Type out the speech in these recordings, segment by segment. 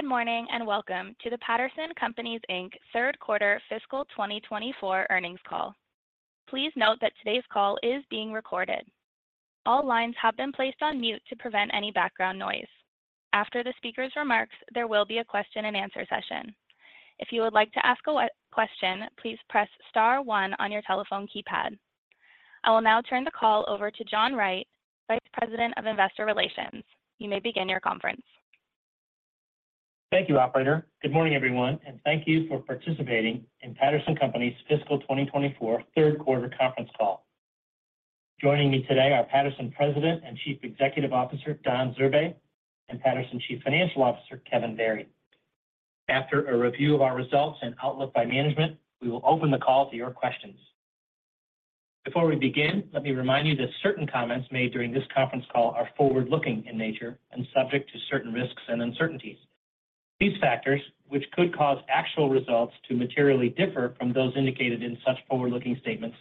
Good morning and welcome to the Patterson Companies, Inc Third Quarter Fiscal 2024 Earnings Call. Please note that today's call is being recorded. All lines have been placed on mute to prevent any background noise. After the speaker's remarks, there will be a question-and-answer session. If you would like to ask a question, please press star one on your telephone keypad. I will now turn the call over to John Wright, Vice President of Investor Relations. You may begin your conference. Thank you, operator. Good morning, everyone, and thank you for participating in Patterson Companies' fiscal 2024 Third Quarter Conference Call. Joining me today are Patterson President and Chief Executive Officer, Don Zurbay, and Patterson Chief Financial Officer, Kevin Barry. After a review of our results and outlook by management, we will open the call to your questions. Before we begin, let me remind you that certain comments made during this conference call are forward-looking in nature and subject to certain risks and uncertainties. These factors, which could cause actual results to materially differ from those indicated in such forward-looking statements,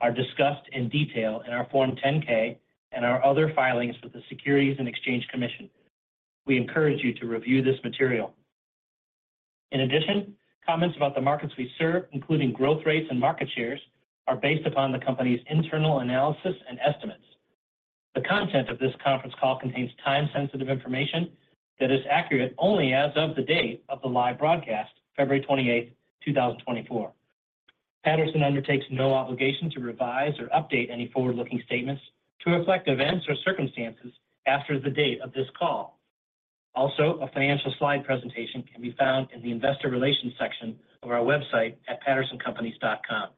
are discussed in detail in our Form 10-K and our other filings with the Securities and Exchange Commission. We encourage you to review this material. In addition, comments about the markets we serve, including growth rates and market shares, are based upon the company's internal analysis and estimates. The content of this conference call contains time-sensitive information that is accurate only as of the date of the live broadcast, February 28th, 2024. Patterson undertakes no obligation to revise or update any forward-looking statements to reflect events or circumstances after the date of this call. Also, a financial slide presentation can be found in the Investor Relations section of our website at pattersoncompanies.com.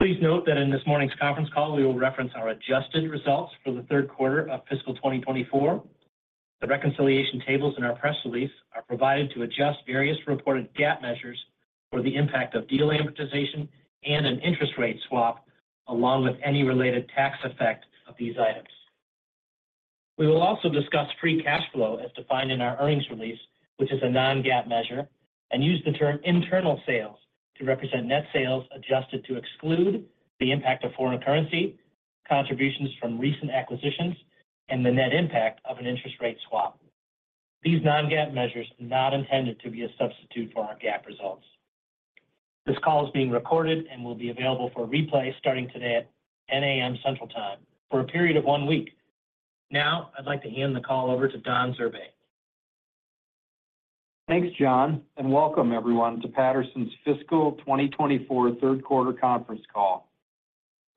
Please note that in this morning's conference call, we will reference our adjusted results for the third quarter of fiscal 2024. The reconciliation tables in our press release are provided to adjust various reported GAAP measures for the impact of deal amortization and an interest rate swap, along with any related tax effect of these items. We will also discuss free cash flow as defined in our earnings release, which is a non-GAAP measure, and use the term internal sales to represent net sales adjusted to exclude the impact of foreign currency, contributions from recent acquisitions, and the net impact of an interest rate swap. These non-GAAP measures are not intended to be a substitute for our GAAP results. This call is being recorded and will be available for replay starting today at 10:00 A.M. Central Time for a period of one week. Now, I'd like to hand the call over to Don Zurbay. Thanks, John, and welcome, everyone, to Patterson's Fiscal 2024 Third Quarter Conference Call.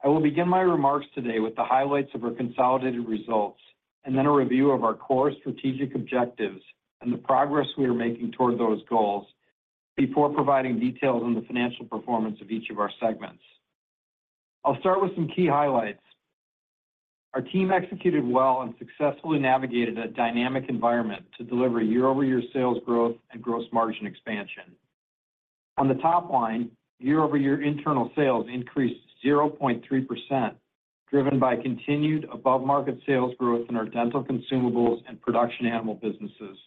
I will begin my remarks today with the highlights of our consolidated results and then a review of our core strategic objectives and the progress we are making toward those goals before providing details on the financial performance of each of our segments. I'll start with some key highlights. Our team executed well and successfully navigated a dynamic environment to deliver year-over-year sales growth and gross margin expansion. On the top line, year-over-year internal sales increased 0.3%, driven by continued above-market sales growth in our Dental consumables and production animal businesses,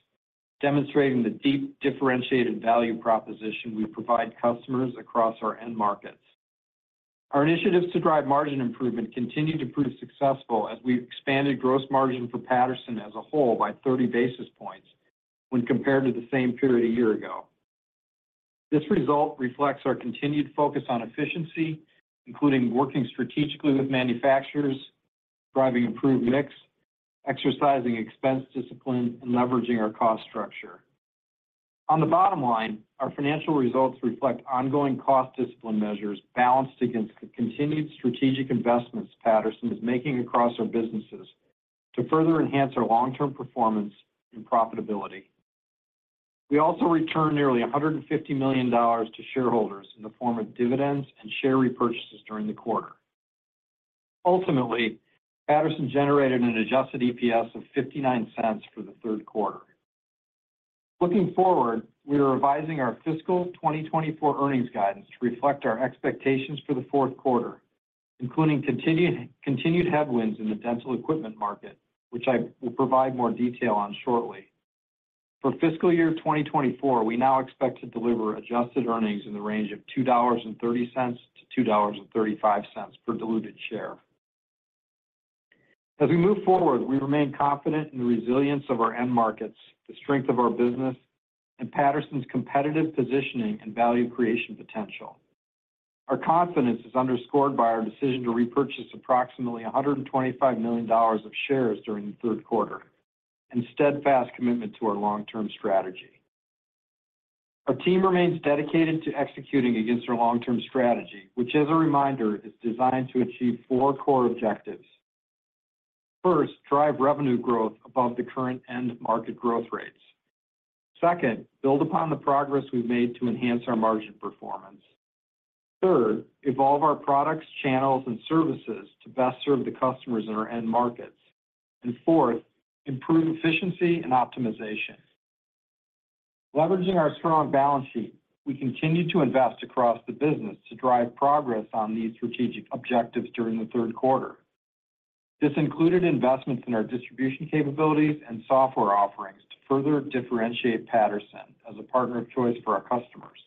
demonstrating the deep differentiated value proposition we provide customers across our end markets. Our initiatives to drive margin improvement continue to prove successful as we've expanded gross margin for Patterson as a whole by 30 basis points when compared to the same period a year ago. This result reflects our continued focus on efficiency, including working strategically with manufacturers, driving improved mix, exercising expense discipline, and leveraging our cost structure. On the bottom line, our financial results reflect ongoing cost discipline measures balanced against the continued strategic investments Patterson is making across our businesses to further enhance our long-term performance and profitability. We also returned nearly $150 million to shareholders in the form of dividends and share repurchases during the quarter. Ultimately, Patterson generated an adjusted EPS of $0.59 for the third quarter. Looking forward, we are revising our fiscal 2024 earnings guidance to reflect our expectations for the fourth quarter, including continued headwinds in the dental equipment market, which I will provide more detail on shortly. For fiscal year 2024, we now expect to deliver adjusted earnings in the range of $2.30-$2.35 per diluted share. As we move forward, we remain confident in the resilience of our end markets, the strength of our business, and Patterson's competitive positioning and value creation potential. Our confidence is underscored by our decision to repurchase approximately $125 million of shares during the third quarter and steadfast commitment to our long-term strategy. Our team remains dedicated to executing against our long-term strategy, which, as a reminder, is designed to achieve four core objectives. First, drive revenue growth above the current end market growth rates. Second, build upon the progress we've made to enhance our margin performance. Third, evolve our products, channels, and services to best serve the customers in our end markets. And fourth, improve efficiency and optimization. Leveraging our strong balance sheet, we continue to invest across the business to drive progress on these strategic objectives during the third quarter. This included investments in our distribution capabilities and software offerings to further differentiate Patterson as a partner of choice for our customers.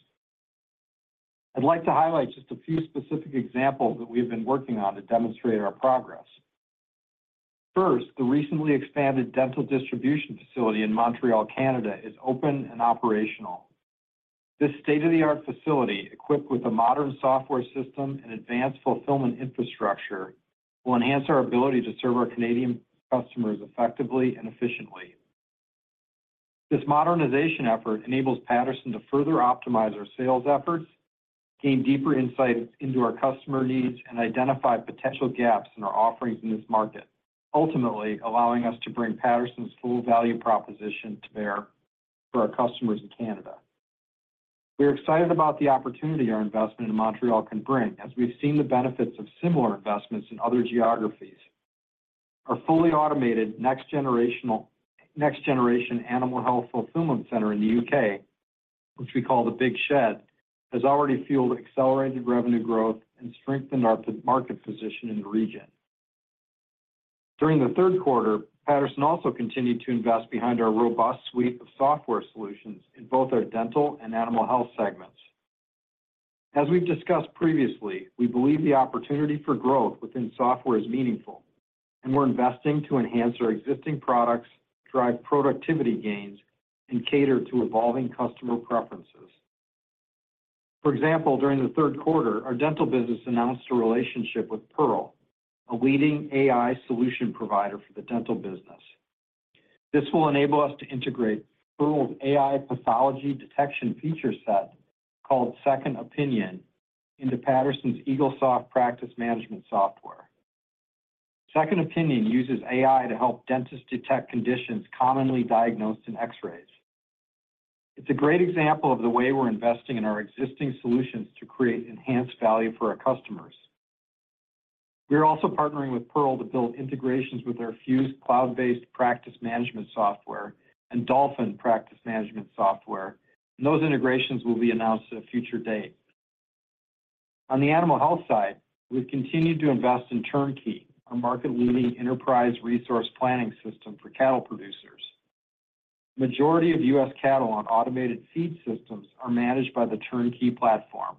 I'd like to highlight just a few specific examples that we have been working on to demonstrate our progress. First, the recently expanded dental distribution facility in Montreal, Canada, is open and operational. This state-of-the-art facility, equipped with a modern software system and advanced fulfillment infrastructure, will enhance our ability to serve our Canadian customers effectively and efficiently. This modernization effort enables Patterson to further optimize our sales efforts, gain deeper insight into our customer needs, and identify potential gaps in our offerings in this market, ultimately allowing us to bring Patterson's full value proposition to bear for our customers in Canada. We are excited about the opportunity our investment in Montreal can bring as we've seen the benefits of similar investments in other geographies. Our fully automated next-generation Animal Health fulfillment center in the U.K., which we call the Big Shed, has already fueled accelerated revenue growth and strengthened our market position in the region. During the third quarter, Patterson also continued to invest behind our robust suite of software solutions in both our dental and Animal Health segments. As we've discussed previously, we believe the opportunity for growth within software is meaningful, and we're investing to enhance our existing products, drive productivity gains, and cater to evolving customer preferences. For example, during the third quarter, our dental business announced a relationship with Pearl, a leading A.I. solution provider for the dental business. This will enable us to integrate Pearl's A.I. pathology detection feature set called Second Opinion into Patterson's Eaglesoft practice management software. Second Opinion uses A.I. to help dentists detect conditions commonly diagnosed in X-rays. It's a great example of the way we're investing in our existing solutions to create enhanced value for our customers. We are also partnering with Pearl to build integrations with our Fuse cloud-based practice management software and Dolphin practice management software, and those integrations will be announced at a future date. On the Animal Health side, we've continued to invest in Turnkey, our market-leading enterprise resource planning system for cattle producers. The majority of U.S. cattle on automated feed systems are managed by the Turnkey platform.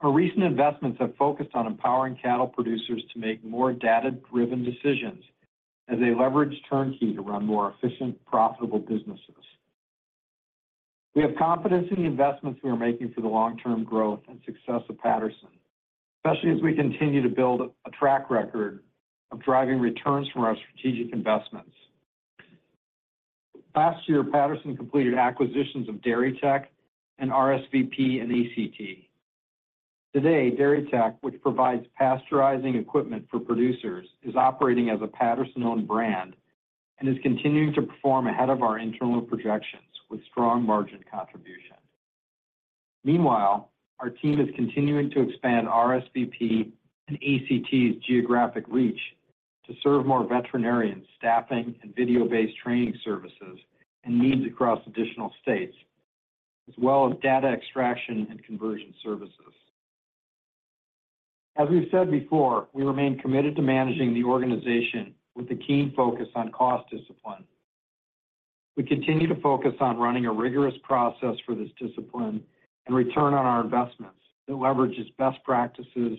Our recent investments have focused on empowering cattle producers to make more data-driven decisions as they leverage Turnkey to run more efficient, profitable businesses. We have confidence in the investments we are making for the long-term growth and success of Patterson, especially as we continue to build a track record of driving returns from our strategic investments. Last year, Patterson completed acquisitions of DairyTech and RSVP and ACT. Today, DairyTech, which provides pasteurizing equipment for producers, is operating as a Patterson-owned brand and is continuing to perform ahead of our internal projections with strong margin contribution. Meanwhile, our team is continuing to expand RSVP and ACT's geographic reach to serve more veterinarians, staffing, and video-based training services and needs across additional states, as well as data extraction and conversion services. As we've said before, we remain committed to managing the organization with a keen focus on cost discipline. We continue to focus on running a rigorous process for this discipline and return on our investments that leverages best practices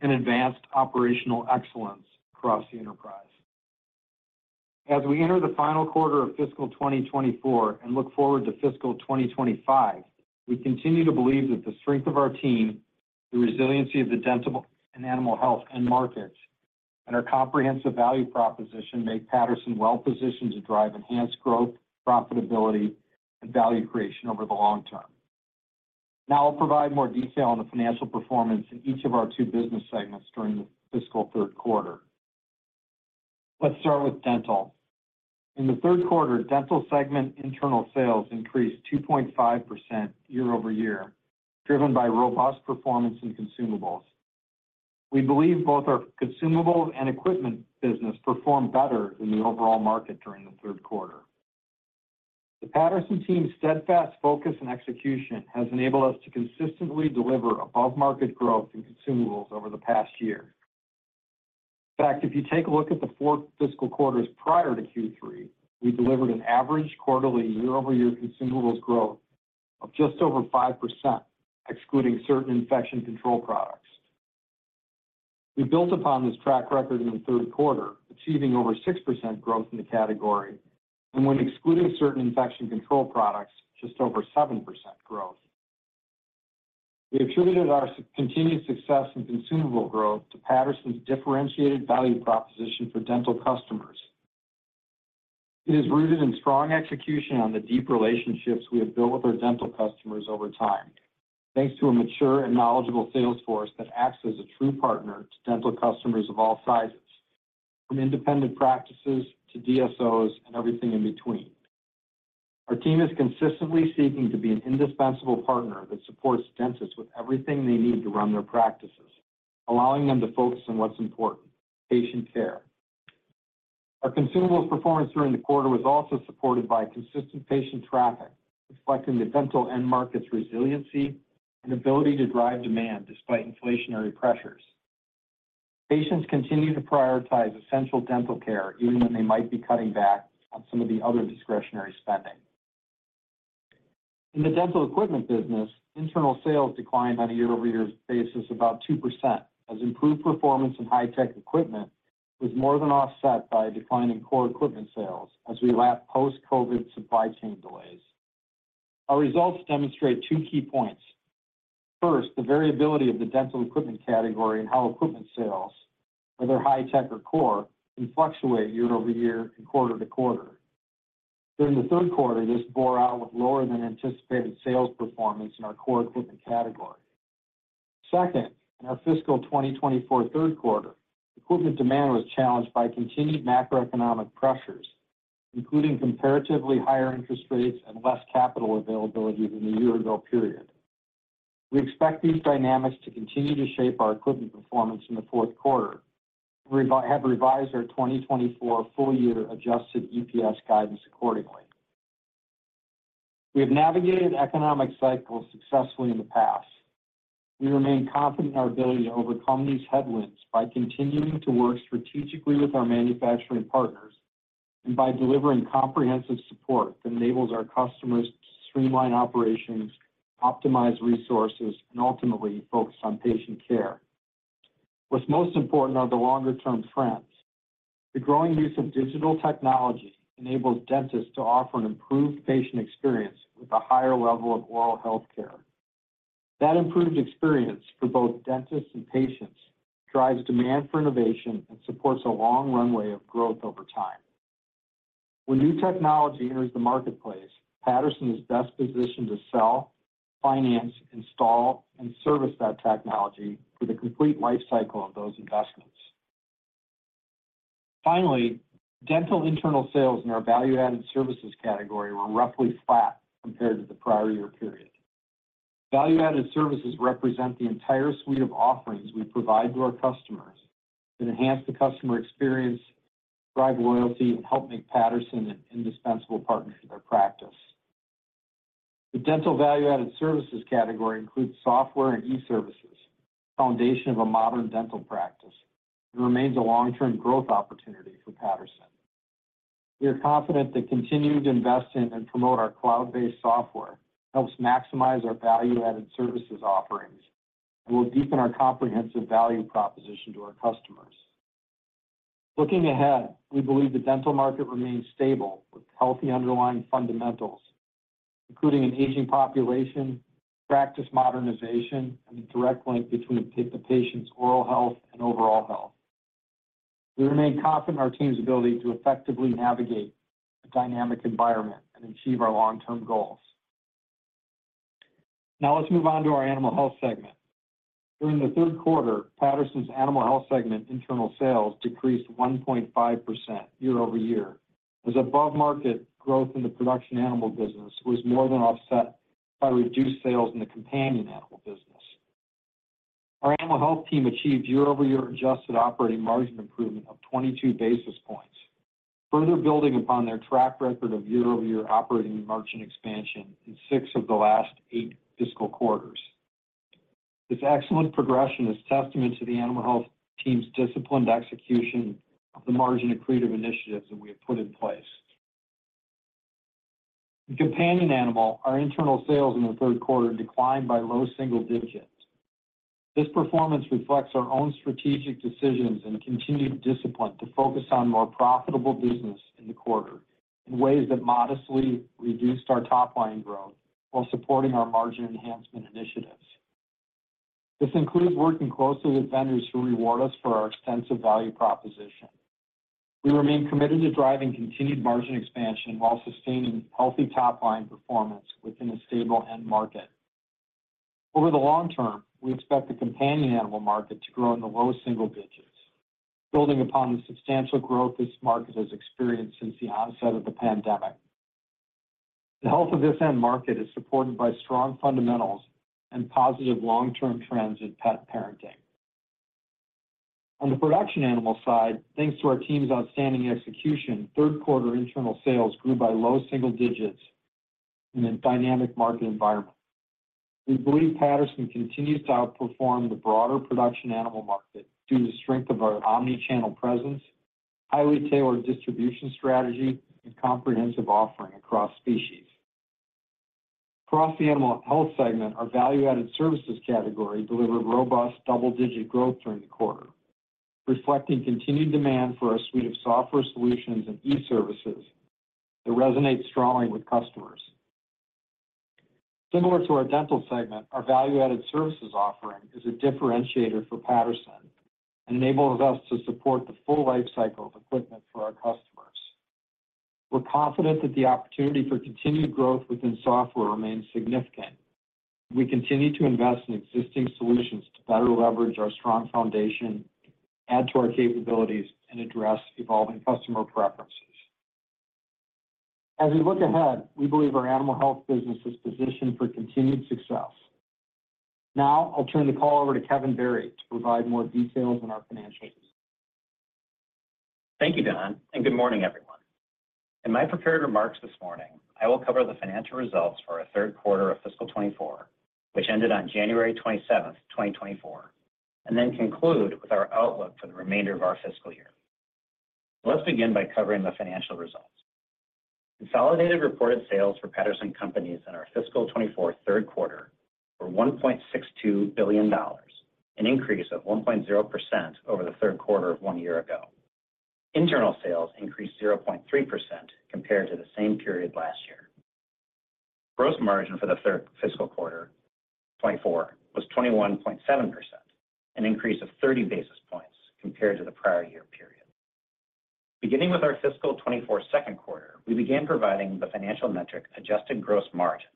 and advanced operational excellence across the enterprise. As we enter the final quarter of fiscal 2024 and look forward to fiscal 2025, we continue to believe that the strength of our team, the resiliency of the Dental and Animal Health end markets, and our comprehensive value proposition make Patterson well-positioned to drive enhanced growth, profitability, and value creation over the long term. Now, I'll provide more detail on the financial performance in each of our two business segments during the fiscal third quarter. Let's start with Dental. In the third quarter, Dental segment Internal Sales increased 2.5% year-over-year, driven by robust performance in consumables. We believe both our consumables and equipment business performed better than the overall market during the third quarter. The Patterson team's steadfast focus and execution has enabled us to consistently deliver above-market growth in consumables over the past year. In fact, if you take a look at the four fiscal quarters prior to Q3, we delivered an average quarterly year-over-year consumables growth of just over 5%, excluding certain infection control products. We built upon this track record in the third quarter, achieving over 6% growth in the category, and when excluding certain infection control products, just over 7% growth. We attributed our continued success in consumable growth to Patterson's differentiated value proposition for Dental customers. It is rooted in strong execution on the deep relationships we have built with our Dental customers over time, thanks to a mature and knowledgeable salesforce that acts as a true partner to Dental customers of all sizes, from independent practices to DSOs and everything in between. Our team is consistently seeking to be an indispensable partner that supports dentists with everything they need to run their practices, allowing them to focus on what's important: patient care. Our consumables performance during the quarter was also supported by consistent patient traffic, reflecting the Dental end market's resiliency and ability to drive demand despite inflationary pressures. Patients continue to prioritize essential Dental care, even when they might be cutting back on some of the other discretionary spending. In the Dental equipment business, internal sales declined on a year-over-year basis about 2%, as improved performance in high-tech equipment was more than offset by a decline in core equipment sales as we lapped post-COVID supply chain delays. Our results demonstrate two key points. First, the variability of the Dental equipment category and how equipment sales, whether high-tech or core, can fluctuate year-over-year and quarter-to-quarter. During the third quarter, this bore out with lower-than-anticipated sales performance in our core equipment category. Second, in our fiscal 2024 third quarter, equipment demand was challenged by continued macroeconomic pressures, including comparatively higher interest rates and less capital availability than the year-ago period. We expect these dynamics to continue to shape our equipment performance in the fourth quarter and have revised our 2024 full-year adjusted EPS guidance accordingly. We have navigated economic cycles successfully in the past. We remain confident in our ability to overcome these headwinds by continuing to work strategically with our manufacturing partners and by delivering comprehensive support that enables our customers to streamline operations, optimize resources, and ultimately focus on patient care. What's most important are the longer-term trends. The growing use of digital technology enables dentists to offer an improved patient experience with a higher level of oral healthcare. That improved experience for both dentists and patients drives demand for innovation and supports a long runway of growth over time. When new technology enters the marketplace, Patterson is best positioned to sell, finance, install, and service that technology for the complete life cycle of those investments. Finally, Dental internal sales in our value-added services category were roughly flat compared to the prior year period. Value-added services represent the entire suite of offerings we provide to our customers that enhance the customer experience, drive loyalty, and help make Patterson an indispensable partner for their practice. The Dental value-added services category includes software and e-services, the foundation of a modern dental practice, and remains a long-term growth opportunity for Patterson. We are confident that continuing to invest in and promote our cloud-based software helps maximize our value-added services offerings and will deepen our comprehensive value proposition to our customers. Looking ahead, we believe the dental market remains stable with healthy underlying fundamentals, including an aging population, practice modernization, and the direct link between the patient's oral health and overall health. We remain confident in our team's ability to effectively navigate a dynamic environment and achieve our long-term goals. Now, let's move on to our Animal Health segment. During the third quarter, Patterson's Animal Health segment internal sales decreased 1.5% year-over-year as above-market growth in the production animal business was more than offset by reduced sales in the companion animal business. Our Animal Health team achieved year-over-year adjusted operating margin improvement of 22 basis points, further building upon their track record of year-over-year operating margin expansion in six of the last eight fiscal quarters. This excellent progression is testament to the Animal Health team's disciplined execution of the margin accretive initiatives that we have put in place. In companion animal, our internal sales in the third quarter declined by low single digits. This performance reflects our own strategic decisions and continued discipline to focus on more profitable business in the quarter in ways that modestly reduced our top-line growth while supporting our margin enhancement initiatives. This includes working closely with vendors who reward us for our extensive value proposition. We remain committed to driving continued margin expansion while sustaining healthy top-line performance within a stable end market. Over the long term, we expect the companion animal market to grow in the low single digits, building upon the substantial growth this market has experienced since the onset of the pandemic. The health of this end market is supported by strong fundamentals and positive long-term trends in pet parenting. On the production animal side, thanks to our team's outstanding execution, third-quarter internal sales grew by low single digits in a dynamic market environment. We believe Patterson continues to outperform the broader production animal market due to the strength of our omnichannel presence, highly tailored distribution strategy, and comprehensive offering across species. Across the Animal Health segment, our value-added services category delivered robust double-digit growth during the quarter. Reflecting continued demand for our suite of software solutions and e-services, that resonates strongly with customers. Similar to our Dental segment, our value-added services offering is a differentiator for Patterson and enables us to support the full life cycle of equipment for our customers. We're confident that the opportunity for continued growth within software remains significant. We continue to invest in existing solutions to better leverage our strong foundation, add to our capabilities, and address evolving customer preferences. As we look ahead, we believe our Animal Health business is positioned for continued success. Now, I'll turn the call over to Kevin Barry to provide more details on our financial. Thank you, Don, and good morning, everyone. In my prepared remarks this morning, I will cover the financial results for our third quarter of fiscal 2024, which ended on January 27th, 2024, and then conclude with our outlook for the remainder of our fiscal year. Let's begin by covering the financial results. Consolidated reported sales for Patterson Companies in our fiscal 2024 third quarter were $1.62 billion, an increase of 1.0% over the third quarter of one year ago. Internal sales increased 0.3% compared to the same period last year. Gross margin for the third fiscal quarter 2024 was 21.7%, an increase of 30 basis points compared to the prior year period. Beginning with our fiscal 2024 second quarter, we began providing the financial metric adjusted gross margin,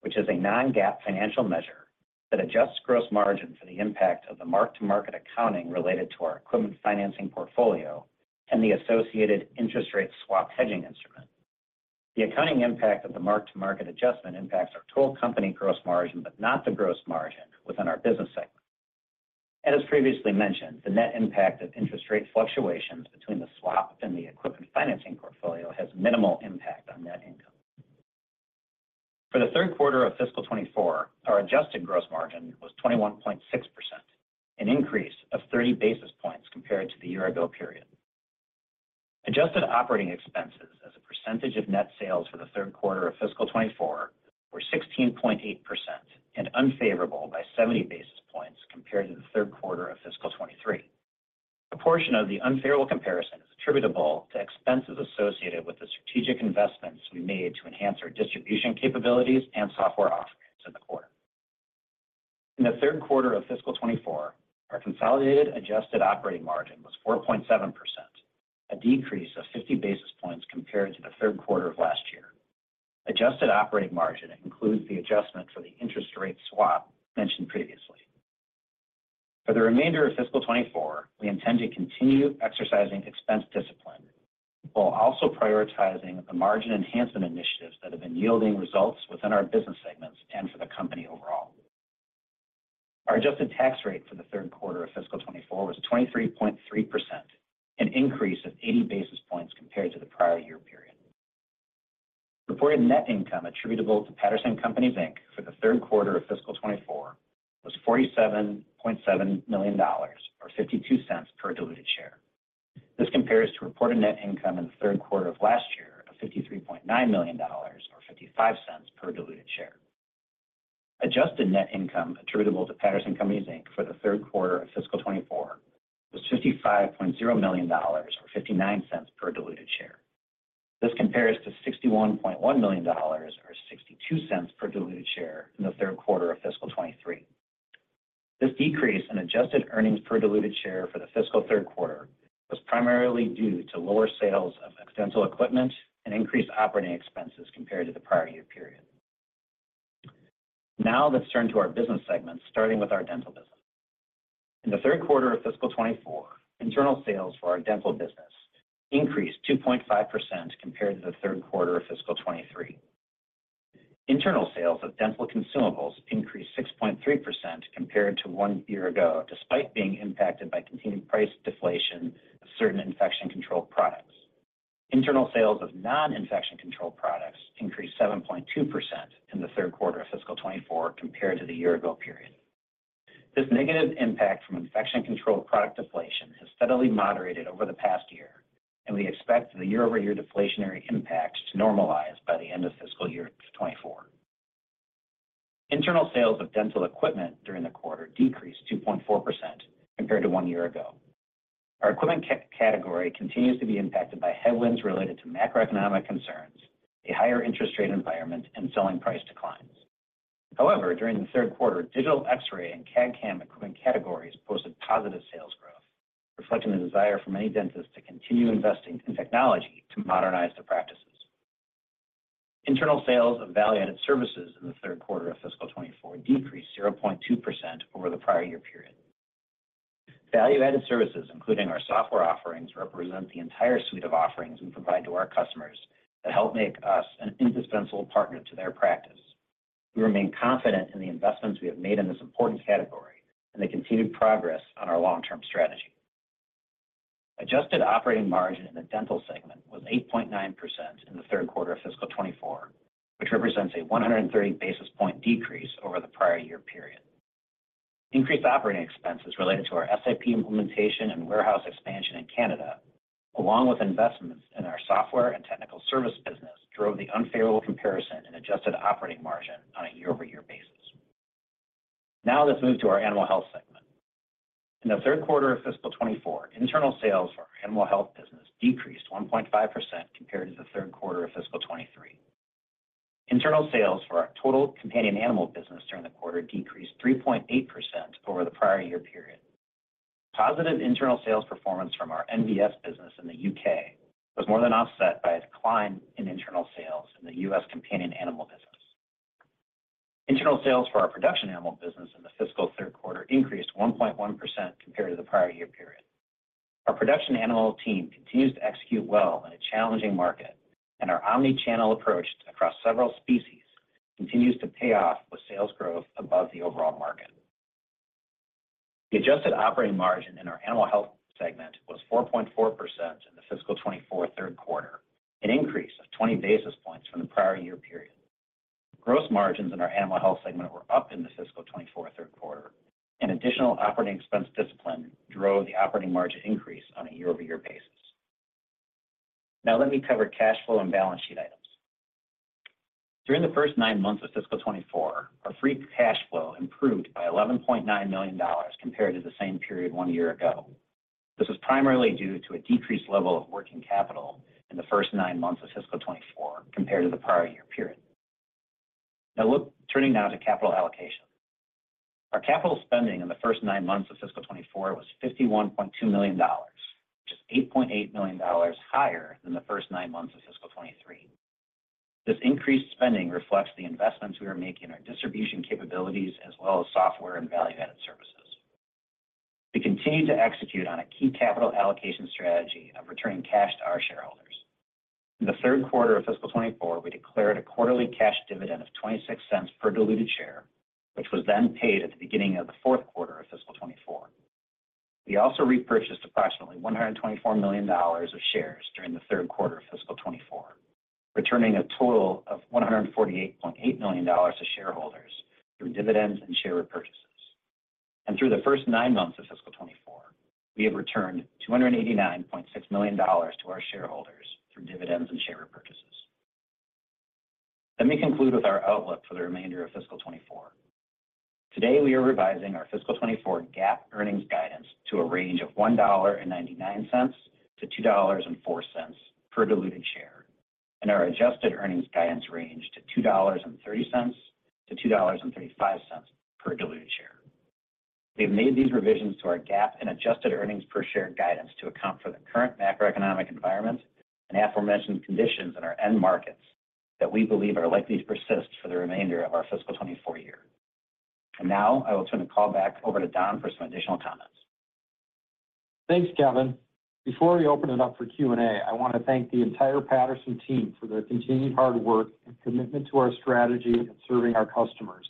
which is a non-GAAP financial measure that adjusts gross margin for the impact of the mark-to-market accounting related to our equipment financing portfolio and the associated interest rate swap hedging instrument. The accounting impact of the mark-to-market adjustment impacts our total company gross margin but not the gross margin within our business segment. As previously mentioned, the net impact of interest rate fluctuations between the swap and the equipment financing portfolio has minimal impact on net income. For the third quarter of fiscal 2024, our adjusted gross margin was 21.6%, an increase of 30 basis points compared to the year-ago period. Adjusted operating expenses, as a percentage of net sales for the third quarter of fiscal 2024, were 16.8% and unfavorable by 70 basis points compared to the third quarter of fiscal 2023. A portion of the unfavorable comparison is attributable to expenses associated with the strategic investments we made to enhance our distribution capabilities and software offerings in the quarter. In the third quarter of fiscal 2024, our consolidated adjusted operating margin was 4.7%, a decrease of 50 basis points compared to the third quarter of last year. Adjusted operating margin includes the adjustment for the interest rate swap mentioned previously. For the remainder of fiscal 2024, we intend to continue exercising expense discipline while also prioritizing the margin enhancement initiatives that have been yielding results within our business segments and for the company overall. Our adjusted tax rate for the third quarter of fiscal 2024 was 23.3%, an increase of 80 basis points compared to the prior year period. Reported net income attributable to Patterson Companies, Inc, for the third quarter of fiscal 2024 was $47.7 million or $0.52 per diluted share. This compares to reported net income in the third quarter of last year of $53.9 million or $0.55 per diluted share. Adjusted net income attributable to Patterson Companies, Inc, for the third quarter of fiscal 2024 was $55.0 million or $0.59 per diluted share. This compares to $61.1 million or $0.62 per diluted share in the third quarter of fiscal 2023. This decrease in adjusted earnings per diluted share for the fiscal third quarter was primarily due to lower sales of Dental equipment and increased operating expenses compared to the prior year period. Now, let's turn to our business segments, starting with our Dental business. In the third quarter of fiscal 2024, internal sales for our Dental business increased 2.5% compared to the third quarter of fiscal 2023. Internal sales of Dental consumables increased 6.3% compared to one year ago despite being impacted by continued price deflation of certain infection control products. Internal sales of non-infection control products increased 7.2% in the third quarter of fiscal 2024 compared to the year-ago period. This negative impact from infection control product deflation has steadily moderated over the past year, and we expect the year-over-year deflationary impact to normalize by the end of fiscal year 2024. Internal sales of Dental equipment during the quarter decreased 2.4% compared to one year ago. Our equipment category continues to be impacted by headwinds related to macroeconomic concerns, a higher interest rate environment, and selling price declines. However, during the third quarter, digital X-ray and CAD/CAM equipment categories posted positive sales growth, reflecting the desire from many dentists to continue investing in technology to modernize their practices. Internal sales of value-added services in the third quarter of fiscal 2024 decreased 0.2% over the prior year period. Value-added services, including our software offerings, represent the entire suite of offerings we provide to our customers that help make us an indispensable partner to their practice. We remain confident in the investments we have made in this important category and the continued progress on our long-term strategy. Adjusted operating margin in the Dental segment was 8.9% in the third quarter of fiscal 2024, which represents a 130 basis point decrease over the prior year period.animal Increased operating expenses related to our SIP implementation and warehouse expansion in Canada, along with investments in our software and technical service business, drove the unfavorable comparison in adjusted operating margin on a year-over-year basis. Now, let's move to our Animal Health segment. In the third quarter of fiscal 2024, internal sales for our Animal Health business decreased 1.5% compared to the third quarter of fiscal 2023. Internal sales for our total companion animal business during the quarter decreased 3.8% over the prior year period. Positive internal sales performance from our NVS business in the U.K. was more than offset by a decline in Internal Sales in the U.S. companion animal business. Internal sales for our production animal business in the fiscal third quarter increased 1.1% compared to the prior year period. Our production animal team continues to execute well in a challenging market, and our omnichannel approach across several species continues to pay off with sales growth above the overall market. The adjusted operating margin in our Animal Health segment was 4.4% in the fiscal 2024 third quarter, an increase of 20 basis points from the prior year period. Gross margins in our Animal Health segment were up in the fiscal 2024 third quarter, and additional operating expense discipline drove the operating margin increase on a year-over-year basis. Now, let me cover cash flow and balance sheet items. During the first nine months of fiscal 2024, our free cash flow improved by $11.9 million compared to the same period one year ago. This was primarily due to a decreased level of working capital in the first nine months of fiscal 2024 compared to the prior year period. Now, turning now to capital allocation. Our capital spending in the first nine months of fiscal 2024 was $51.2 million, which is $8.8 million higher than the first nine months of fiscal 2023. This increased spending reflects the investments we are making in our distribution capabilities as well as software and value-added services. We continue to execute on a key capital allocation strategy of returning cash to our shareholders. In the third quarter of fiscal 2024, we declared a quarterly cash dividend of $0.26 per diluted share, which was then paid at the beginning of the fourth quarter of fiscal 2024. We also repurchased approximately $124 million of shares during the third quarter of fiscal 2024, returning a total of $148.8 million to shareholders through dividends and share repurchases. Through the first nine months of fiscal 2024, we have returned $289.6 million to our shareholders through dividends and share repurchases. Let me conclude with our outlook for the remainder of fiscal 2024. Today, we are revising our fiscal 2024 GAAP earnings guidance to a range of $1.99-$2.04 per diluted share and our adjusted earnings guidance range to $2.30-$2.35 per diluted share. We have made these revisions to our GAAP and adjusted earnings per share guidance to account for the current macroeconomic environment and aforementioned conditions in our end markets that we believe are likely to persist for the remainder of our fiscal 2024 year. And now, I will turn the call back over to Don for some additional comments. Thanks, Kevin. Before we open it up for Q&A, I want to thank the entire Patterson team for their continued hard work and commitment to our strategy and serving our customers.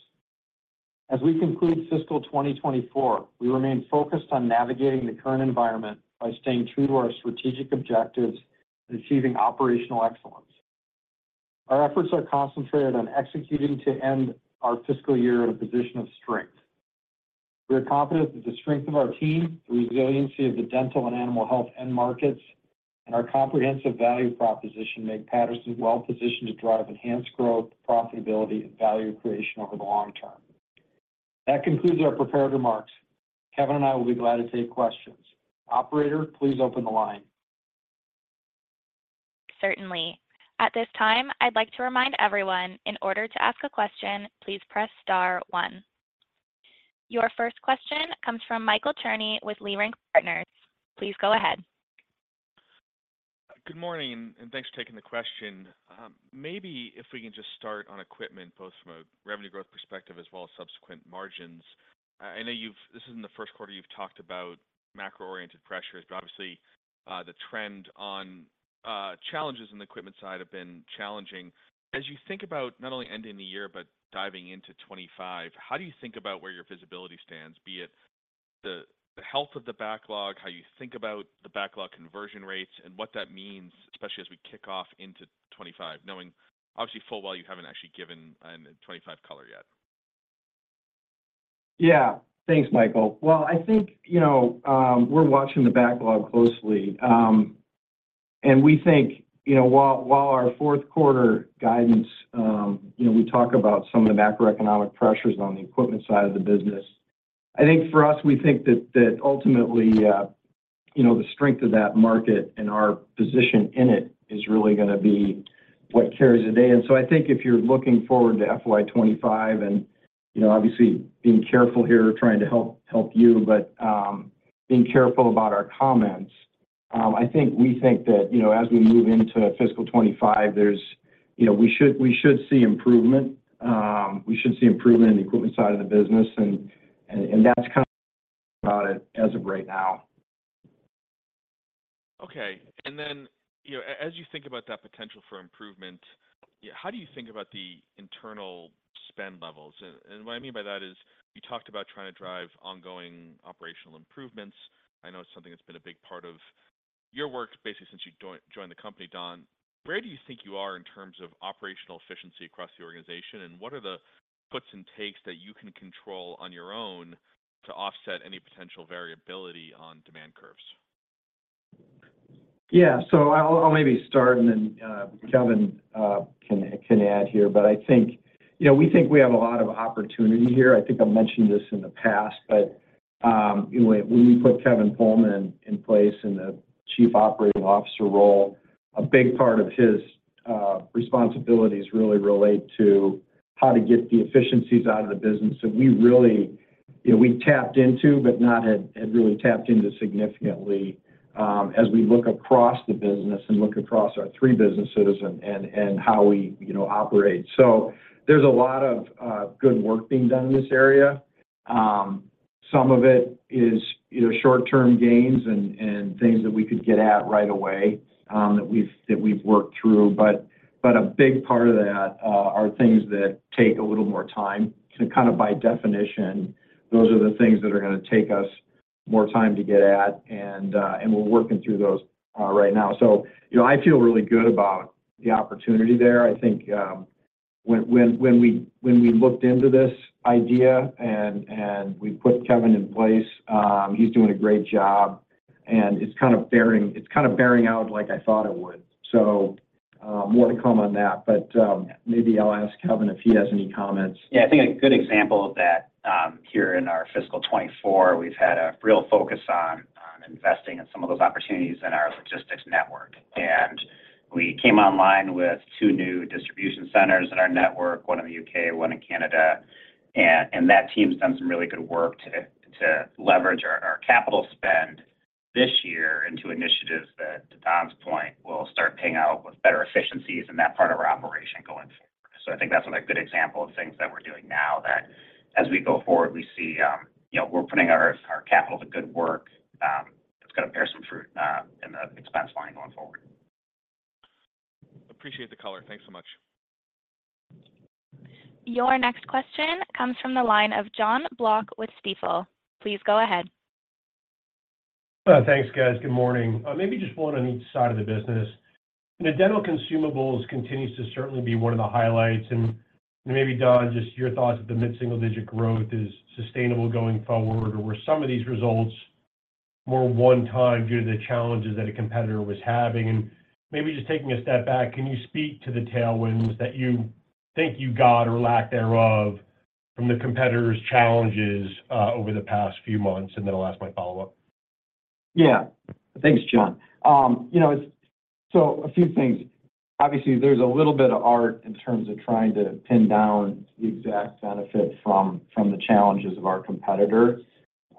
As we conclude fiscal 2024, we remain focused on navigating the current environment by staying true to our strategic objectives and achieving operational excellence. Our efforts are concentrated on executing to end our fiscal year in a position of strength. We are confident that the strength of our team, the resiliency of the Dental and Animal Health end markets, and our comprehensive value proposition make Patterson well-positioned to drive enhanced growth, profitability, and value creation over the long term. That concludes our prepared remarks. Kevin and I will be glad to take questions. Operator, please open the line. Certainly. At this time, I'd like to remind everyone, in order to ask a question, please press star one. Your first question comes from Michael Cherny with Leerink Partners. Please go ahead. Good morning, and thanks for taking the question. Maybe if we can just start on equipment, both from a revenue growth perspective as well as subsequent margins. I know this is in the first quarter you've talked about macro-oriented pressures, but obviously, the trend on challenges on the equipment side have been challenging. As you think about not only ending the year but diving into 2025, how do you think about where your visibility stands, be it the health of the backlog, how you think about the backlog conversion rates, and what that means, especially as we kick off into 2025, knowing obviously, full well, you haven't actually given a 2025 color yet? Yeah. Thanks, Michael. Well, I think we're watching the backlog closely. And we think while our fourth quarter guidance we talk about some of the macroeconomic pressures on the equipment side of the business. I think for us, we think that ultimately, the strength of that market and our position in it is really going to be what carries it away. And so I think if you're looking forward to FY 2025 and obviously, being careful here, trying to help you, but being careful about our comments, I think we think that as we move into fiscal 2025, we should see improvement. We should see improvement in the equipment side of the business. And that's kind of about it as of right now. Okay. And then as you think about that potential for improvement, how do you think about the internal spend levels? And what I mean by that is you talked about trying to drive ongoing operational improvements. I know it's something that's been a big part of your work basically since you joined the company, Don. Where do you think you are in terms of operational efficiency across the organization, and what are the puts and takes that you can control on your own to offset any potential variability on demand curves? Yeah. So I'll maybe start, and then Kevin can add here. But I think we think we have a lot of opportunity here. I think I've mentioned this in the past, but when we put Kevin Pohlman in place in the Chief Operating Officer role, a big part of his responsibilities really relate to how to get the efficiencies out of the business that we really tapped into but not had really tapped into significantly as we look across the business and look across our three businesses and how we operate. So there's a lot of good work being done in this area. Some of it is short-term gains and things that we could get at right away that we've worked through. But a big part of that are things that take a little more time. Kind of by definition, those are the things that are going to take us more time to get at, and we're working through those right now. So I feel really good about the opportunity there. I think when we looked into this idea and we put Kevin in place, he's doing a great job, and it's kind of bearing out like I thought it would. So more to come on that, but maybe I'll ask Kevin if he has any comments. Yeah. I think a good example of that here in our fiscal 2024, we've had a real focus on investing in some of those opportunities in our logistics network. And we came online with two new distribution centers in our network, one in the U.K., one in Canada. And that team's done some really good work to leverage our capital spend this year into initiatives that, to Don's point, will start paying out with better efficiencies in that part of our operation going forward. So I think that's a good example of things that we're doing now that as we go forward, we see we're putting our capital to good work. It's going to bear some fruit in the expense line going forward. Appreciate the color. Thanks so much. Your next question comes from the line of Jonathan Block with Stifel. Please go ahead. Thanks, guys. Good morning. Maybe just one on each side of the business. The Dental consumables continues to certainly be one of the highlights. Maybe, Don, just your thoughts if the mid-single-digit growth is sustainable going forward or were some of these results more one-time due to the challenges that a competitor was having. Maybe just taking a step back, can you speak to the tailwinds that you think you got or lack thereof from the competitor's challenges over the past few months? Then I'll ask my follow-up. Yeah. Thanks, Jon. So a few things. Obviously, there's a little bit of art in terms of trying to pin down the exact benefit from the challenges of our competitor.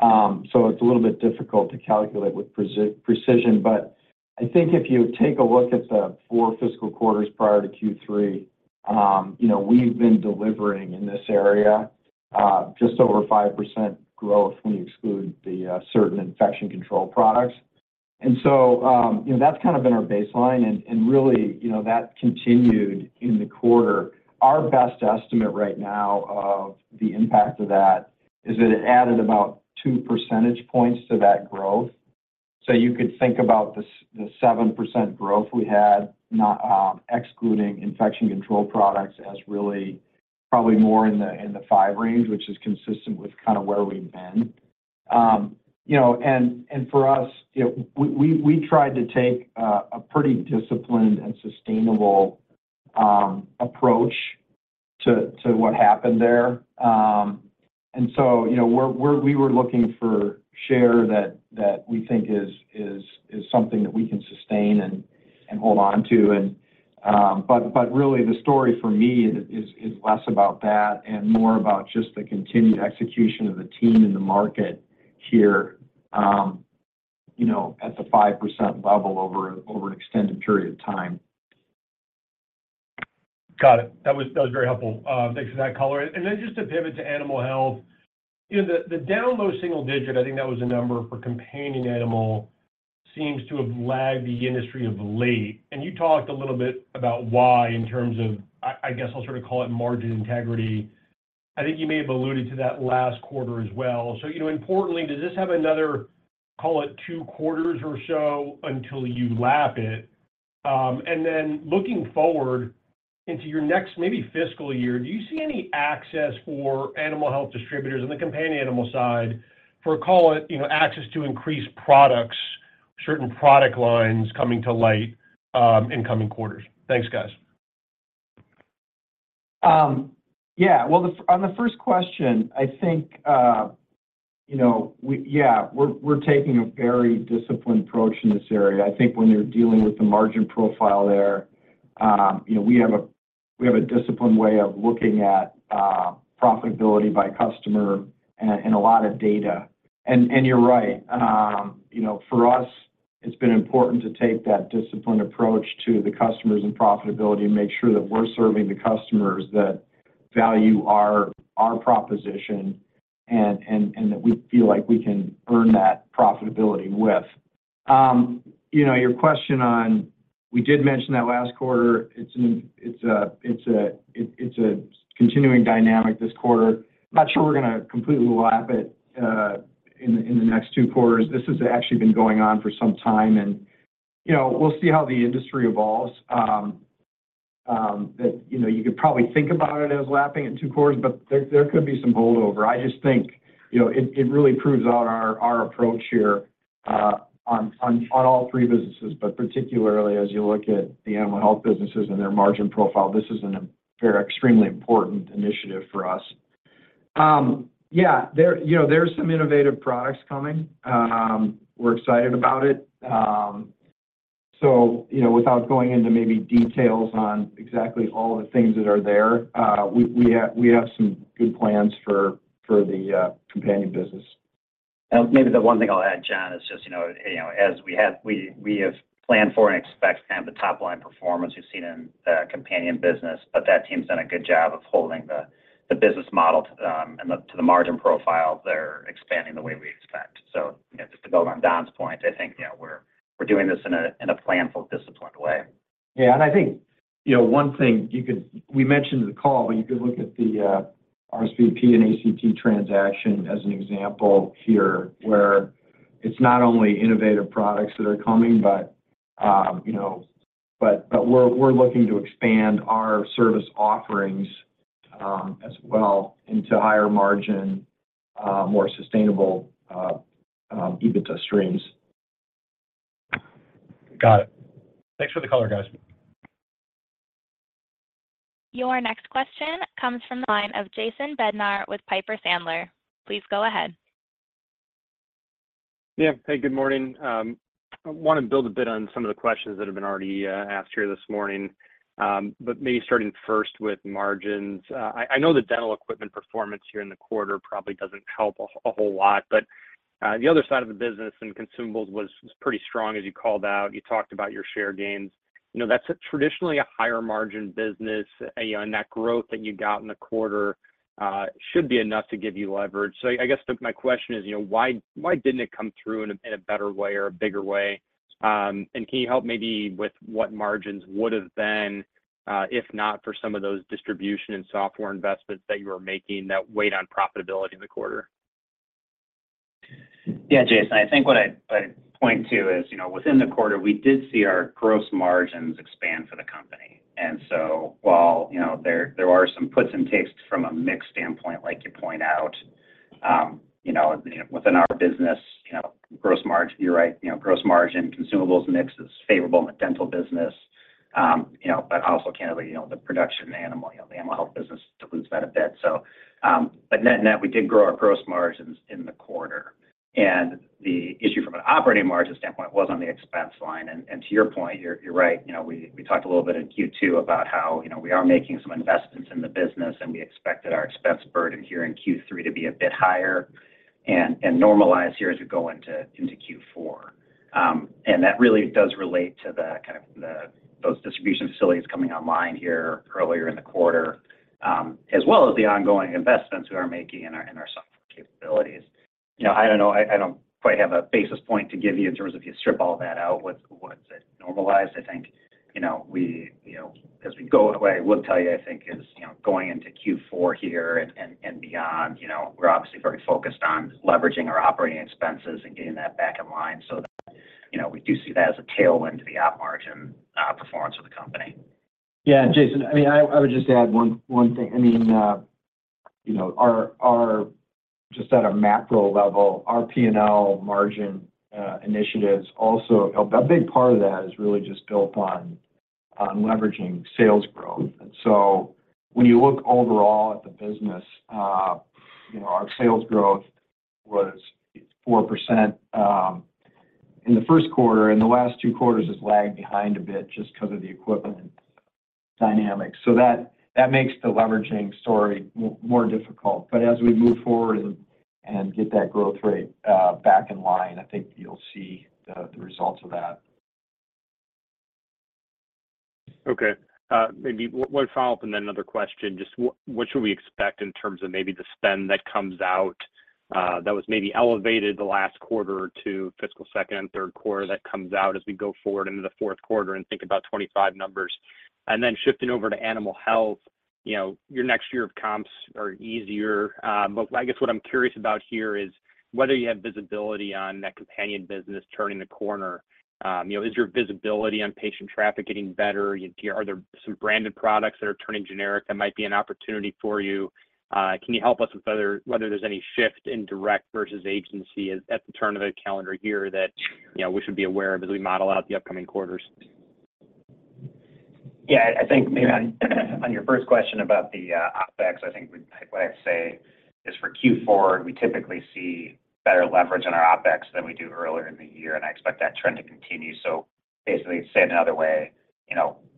So it's a little bit difficult to calculate with precision. But I think if you take a look at the four fiscal quarters prior to Q3, we've been delivering in this area just over 5% growth when you exclude the certain infection control products. And so that's kind of been our baseline, and really, that continued in the quarter. Our best estimate right now of the impact of that is that it added about two percentage points to that growth. So you could think about the 7% growth we had excluding infection control products as really probably more in the 5% range, which is consistent with kind of where we've been. For us, we tried to take a pretty disciplined and sustainable approach to what happened there. So we were looking for share that we think is something that we can sustain and hold onto. But really, the story for me is less about that and more about just the continued execution of the team in the market here at the 5% level over an extended period of time. Got it. That was very helpful. Thanks for that color. And then just to pivot to Animal Health, the down low single digit - I think that was a number - for companion animal seems to have lagged the industry of late. And you talked a little bit about why in terms of, I guess, I'll sort of call it margin integrity. I think you may have alluded to that last quarter as well. So importantly, does this have another, call it, two quarters or so until you lap it? And then looking forward into your next maybe fiscal year, do you see any access for Animal Health distributors on the companion animal side for, call it, access to increased products, certain product lines coming to light in coming quarters? Thanks, guys. Yeah. Well, on the first question, I think, yeah, we're taking a very disciplined approach in this area. I think when you're dealing with the margin profile there, we have a disciplined way of looking at profitability by customer and a lot of data. And you're right. For us, it's been important to take that disciplined approach to the customers and profitability and make sure that we're serving the customers that value our proposition and that we feel like we can earn that profitability with. Your question on we did mention that last quarter. It's a continuing dynamic this quarter. I'm not sure we're going to completely lap it in the next two quarters. This has actually been going on for some time, and we'll see how the industry evolves. You could probably think about it as lapping it in two quarters, but there could be some holdover. I just think it really proves out our approach here on all three businesses. But particularly, as you look at the Animal Health businesses and their margin profile, this is an extremely important initiative for us. Yeah. There's some innovative products coming. We're excited about it. So without going into maybe details on exactly all the things that are there, we have some good plans for the companion business. Maybe the one thing I'll add, Jon, is just as we have planned for and expect kind of the top-line performance we've seen in the companion business, but that team's done a good job of holding the business model to the margin profile. They're expanding the way we expect. So just to build on Don's point, I think we're doing this in a planful, disciplined way. Yeah. And I think one thing we mentioned in the call, but you could look at the RSVP and ACT transaction as an example here where it's not only innovative products that are coming, but we're looking to expand our service offerings as well into higher margin, more sustainable EBITDA streams. Got it. Thanks for the color, guys. Your next question comes from the line of Jason Bednar with Piper Sandler. Please go ahead. Yeah. Hey, good morning. I want to build a bit on some of the questions that have been already asked here this morning, but maybe starting first with margins. I know the Dental equipment performance here in the quarter probably doesn't help a whole lot, but the other side of the business and consumables was pretty strong, as you called out. You talked about your share gains. That's traditionally a higher-margin business, and that growth that you got in the quarter should be enough to give you leverage. So I guess my question is, why didn't it come through in a better way or a bigger way? And can you help maybe with what margins would have been, if not for some of those distribution and software investments that you were making that weighed on profitability in the quarter? Yeah, Jason. I think what I'd point to is within the quarter, we did see our gross margins expand for the company. And so while there are some puts and takes from a mixed standpoint, like you point out, within our business, gross margin, you're right, gross margin consumables mix is favorable in the Dental business. But also, candidly, the production animal, the Animal Health business, dilutes that a bit. But net and net, we did grow our gross margins in the quarter. And the issue from an operating margin standpoint was on the expense line. And to your point, you're right. We talked a little bit in Q2 about how we are making some investments in the business, and we expected our expense burden here in Q3 to be a bit higher and normalize here as we go into Q4. That really does relate to kind of those distribution facilities coming online here earlier in the quarter, as well as the ongoing investments we are making in our software capabilities. I don't know. I don't quite have a basis point to give you in terms of if you strip all that out, what's it normalized? I think as we go away, what I would tell you, I think, is going into Q4 here and beyond, we're obviously very focused on leveraging our operating expenses and getting that back in line so that we do see that as a tailwind to the op margin performance of the company. Yeah. Jason, I mean, I would just add one thing. I mean, just at a macro level, our P&L margin initiatives also a big part of that is really just built on leveraging sales growth. And so when you look overall at the business, our sales growth was 4% in the first quarter. In the last two quarters, it's lagged behind a bit just because of the equipment dynamics. So that makes the leveraging story more difficult. But as we move forward and get that growth rate back in line, I think you'll see the results of that. Okay. Maybe one follow-up and then another question. Just what should we expect in terms of maybe the spend that comes out that was maybe elevated the last quarter to fiscal second and third quarter that comes out as we go forward into the fourth quarter and think about 25 numbers? And then shifting over to Animal Health, your next year of comps are easier. But I guess what I'm curious about here is whether you have visibility on that companion business turning the corner. Is your visibility on patient traffic getting better? Are there some branded products that are turning generic that might be an opportunity for you? Can you help us with whether there's any shift in direct versus agency at the turn of the calendar here that we should be aware of as we model out the upcoming quarters? Yeah. I think maybe on your first question about the OpEx, I think what I'd say is for Q4, we typically see better leverage on our OpEx than we do earlier in the year, and I expect that trend to continue. So basically, to say it another way,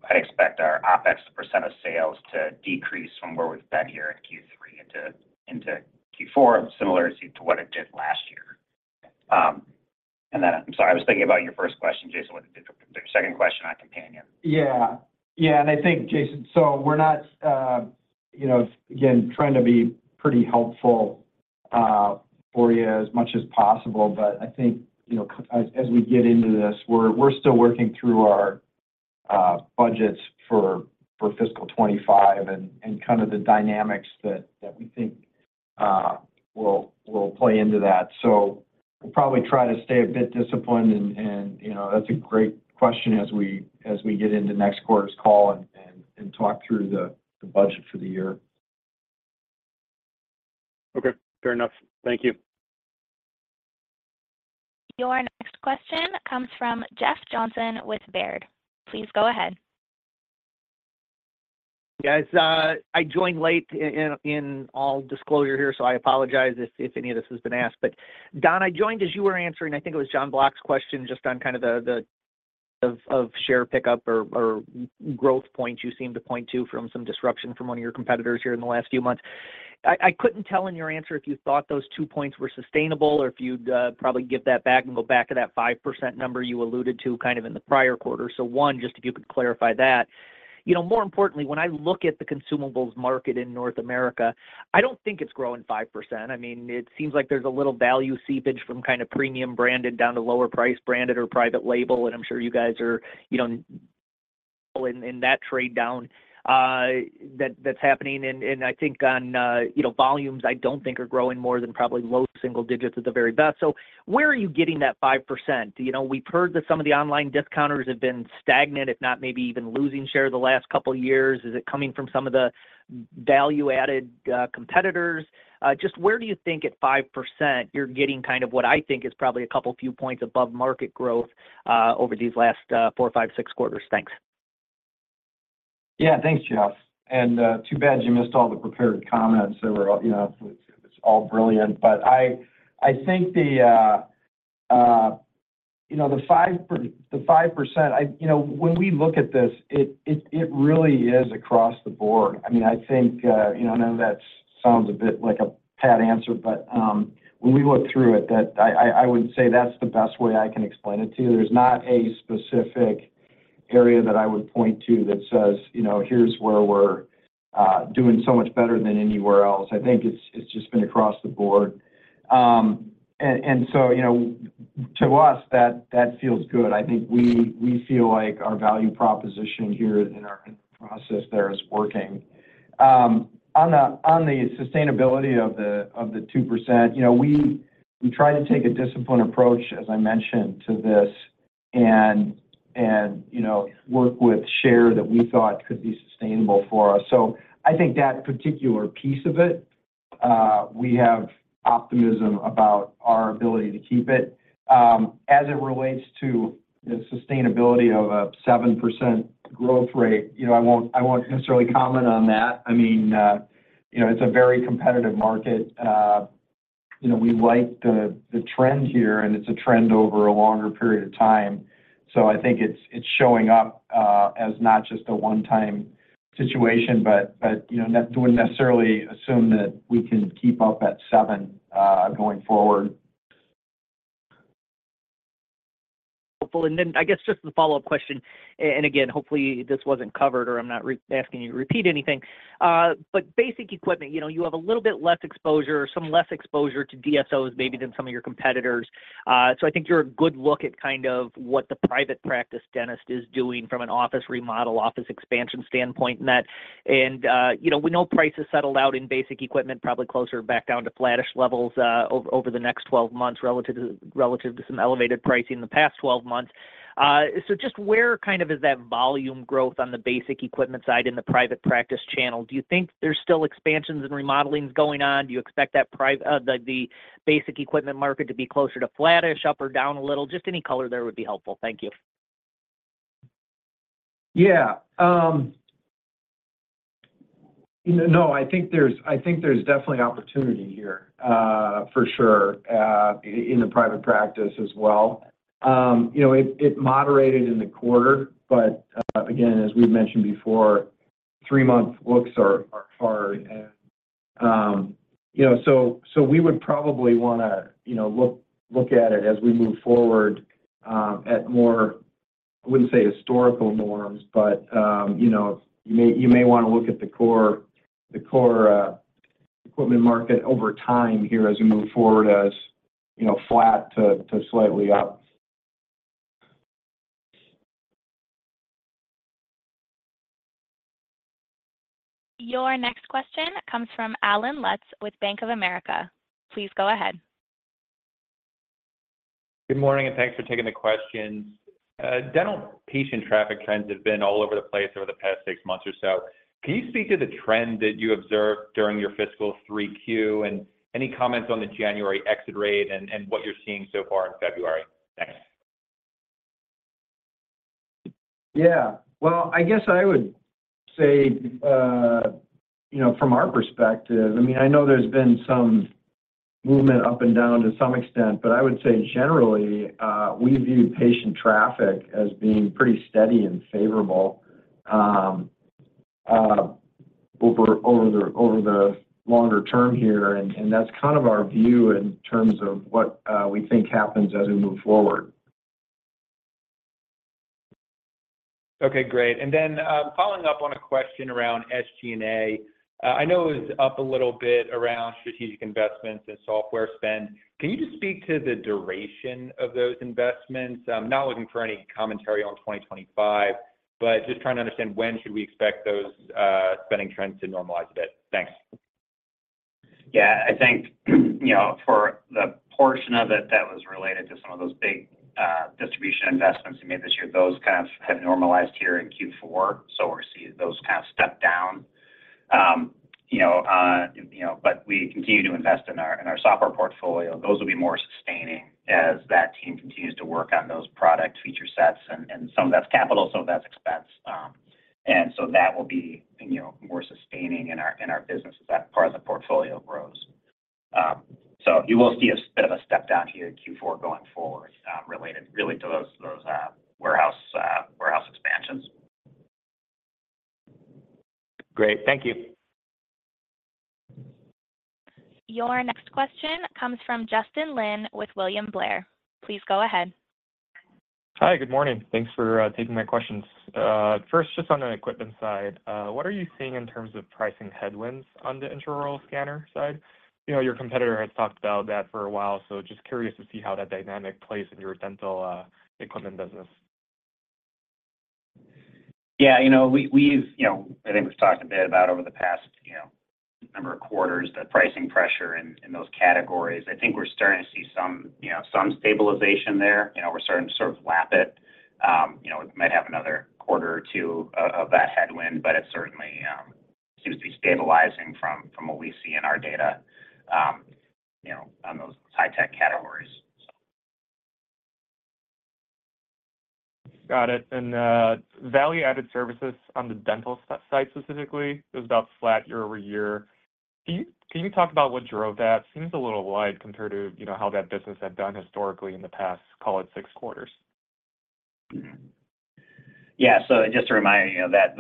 I'd expect our OpEx, the percentage of sales, to decrease from where we've been here in Q3 into Q4, similar to what it did last year. And then I'm sorry, I was thinking about your first question, Jason, what it did for the second question on companion. Yeah. Yeah. I think, Jason, so we're not, again, trying to be pretty helpful for you as much as possible. But I think as we get into this, we're still working through our budgets for fiscal 2025 and kind of the dynamics that we think will play into that. So we'll probably try to stay a bit disciplined. That's a great question as we get into next quarter's call and talk through the budget for the year. Okay. Fair enough. Thank you. Your next question comes from Jeff Johnson with Baird. Please go ahead. Guys, I joined late in full disclosure here, so I apologize if any of this has been asked. But, Don, I joined as you were answering. I think it was Jon Block's question just on kind of the share pickup or growth points you seemed to point to from some disruption from one of your competitors here in the last few months. I couldn't tell in your answer if you thought those two points were sustainable or if you'd probably give that back and go back to that 5% number you alluded to kind of in the prior quarter. So one, just if you could clarify that. More importantly, when I look at the consumables market in North America, I don't think it's growing 5%. I mean, it seems like there's a little value seepage from kind of premium branded down to lower-priced branded or private label. I'm sure you guys are in that trade down that's happening. I think on volumes, I don't think are growing more than probably low single digits at the very best. So where are you getting that 5%? We've heard that some of the online discounters have been stagnant, if not maybe even losing share the last couple of years. Is it coming from some of the value-added competitors? Just where do you think at 5% you're getting kind of what I think is probably a couple of few points above market growth over these last four, five, six quarters? Thanks. Yeah. Thanks, Jeff. And too bad you missed all the prepared comments that were. It's all brilliant. But I think the 5%, when we look at this, it really is across the board. I mean, I think I know that sounds a bit like a pat answer, but when we look through it, I wouldn't say that's the best way I can explain it to you. There's not a specific area that I would point to that says, "Here's where we're doing so much better than anywhere else." I think it's just been across the board. And so to us, that feels good. I think we feel like our value proposition here in the process there is working. On the sustainability of the 2%, we try to take a disciplined approach, as I mentioned, to this and work with share that we thought could be sustainable for us. So I think that particular piece of it, we have optimism about our ability to keep it. As it relates to the sustainability of a 7% growth rate, I won't necessarily comment on that. I mean, it's a very competitive market. We like the trend here, and it's a trend over a longer period of time. So I think it's showing up as not just a one-time situation, but I wouldn't necessarily assume that we can keep up at 7% going forward. Hopefully. And then, I guess, just the follow-up question. And again, hopefully, this wasn't covered or I'm not asking you to repeat anything. But basic equipment, you have a little bit less exposure, some less exposure to DSOs maybe than some of your competitors. So I think you're a good look at kind of what the private practice dentist is doing from an office remodel, office expansion standpoint in that. And we know prices settled out in basic equipment, probably closer back down to flattish levels over the next 12 months relative to some elevated pricing in the past 12 months. So just where kind of is that volume growth on the basic equipment side in the private practice channel? Do you think there's still expansions and remodeling going on? Do you expect the basic equipment market to be closer to flattish, up or down a little? Just any color there would be helpful. Thank you. Yeah. No, I think there's definitely opportunity here for sure in the private practice as well. It moderated in the quarter. But again, as we've mentioned before, three-month looks are hard. And so we would probably want to look at it as we move forward at more, I wouldn't say historical norms, but you may want to look at the core equipment market over time here as we move forward as flat to slightly up. Your next question comes from Allen Lutz with Bank of America. Please go ahead. Good morning, and thanks for taking the questions. Dental patient traffic trends have been all over the place over the past six months or so. Can you speak to the trend that you observed during your fiscal 3Q and any comments on the January exit rate and what you're seeing so far in February? Thanks. Yeah. Well, I guess I would say from our perspective, I mean, I know there's been some movement up and down to some extent, but I would say generally, we view patient traffic as being pretty steady and favorable over the longer term here. And that's kind of our view in terms of what we think happens as we move forward. Okay. Great. And then following up on a question around SG&A, I know it was up a little bit around strategic investments and software spend. Can you just speak to the duration of those investments? I'm not looking for any commentary on 2025, but just trying to understand when should we expect those spending trends to normalize a bit. Thanks. Yeah. I think for the portion of it that was related to some of those big distribution investments we made this year, those kind of have normalized here in Q4. So we're seeing those kind of step down. But we continue to invest in our software portfolio. Those will be more sustaining as that team continues to work on those product feature sets. And some of that's capital, some of that's expense. And so that will be more sustaining in our business as that part of the portfolio grows. So you will see a bit of a step down here in Q4 going forward related really to those warehouse expansions. Great. Thank you. Your next question comes from Justin Lin with William Blair. Please go ahead. Hi. Good morning. Thanks for taking my questions. First, just on the equipment side, what are you seeing in terms of pricing headwinds on the intraoral scanner side? Your competitor has talked about that for a while, so just curious to see how that dynamic plays in your Dental equipment business. Yeah. I think we've talked a bit about over the past number of quarters, the pricing pressure in those categories. I think we're starting to see some stabilization there. We're starting to sort of lap it. We might have another quarter or two of that headwind, but it certainly seems to be stabilizing from what we see in our data on those high-tech categories, so. Got it. And value-added services on the Dental side specifically, it was about flat year-over-year. Can you talk about what drove that? Seems a little wide compared to how that business had done historically in the past, call it, six quarters. Yeah. So just to remind you that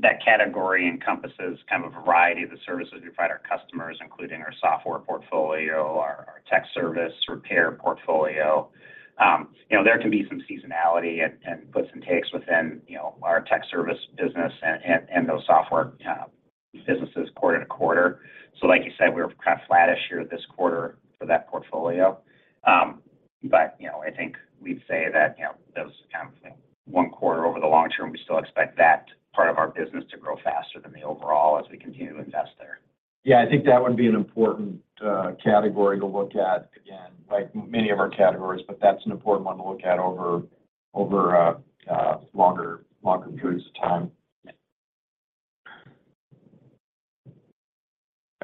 that category encompasses kind of a variety of the services we provide our customers, including our software portfolio, our tech service repair portfolio. There can be some seasonality and puts and takes within our tech service business and those software businesses quarter to quarter. So like you said, we were kind of flattish here this quarter for that portfolio. But I think we'd say that that was kind of one quarter. Over the long term, we still expect that part of our business to grow faster than the overall as we continue to invest there. Yeah. I think that would be an important category to look at, again, like many of our categories, but that's an important one to look at over longer periods of time.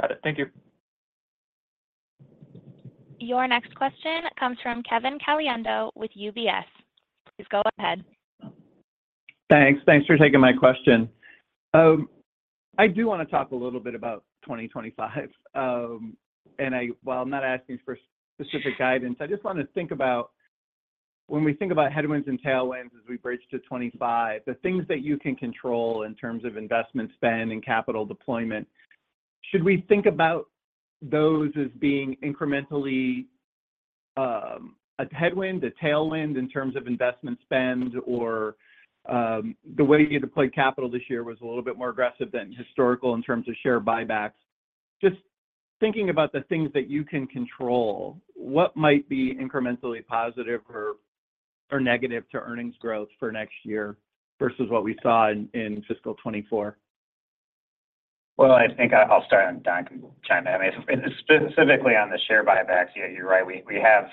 Got it. Thank you. Your next question comes from Kevin Caliendo with UBS. Please go ahead. Thanks. Thanks for taking my question. I do want to talk a little bit about 2025. And while I'm not asking for specific guidance, I just want to think about when we think about headwinds and tailwinds as we bridge to 2025, the things that you can control in terms of investment spend and capital deployment, should we think about those as being incrementally a headwind, a tailwind in terms of investment spend, or the way you deployed capital this year was a little bit more aggressive than historical in terms of share buybacks? Just thinking about the things that you can control, what might be incrementally positive or negative to earnings growth for next year versus what we saw in fiscal 2024? Well, I think I'll start and Don can chime in. I mean, specifically on the share buybacks, you're right. We have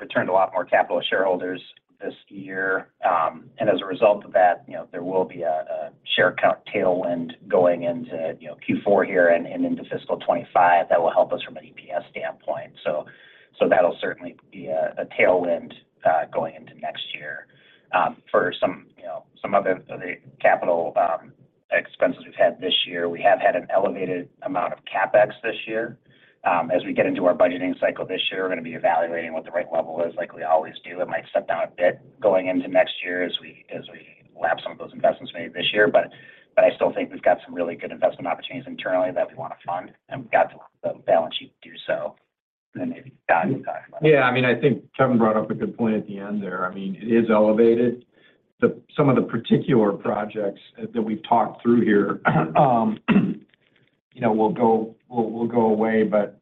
returned a lot more capital to shareholders this year. As a result of that, there will be a share count tailwind going into Q4 here and into fiscal 2025 that will help us from an EPS standpoint. So that'll certainly be a tailwind going into next year. For some of the capital expenses we've had this year, we have had an elevated amount of CapEx this year. As we get into our budgeting cycle this year, we're going to be evaluating what the right level is, like we always do. It might step down a bit going into next year as we lap some of those investments made this year. But I still think we've got some really good investment opportunities internally that we want to fund, and we've got to let the balance sheet do so. And then maybe Don can talk about it. Yeah. I mean, I think Kevin brought up a good point at the end there. I mean, it is elevated. Some of the particular projects that we've talked through here will go away, but